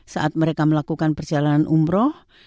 saat mereka melakukan perjalanan umroh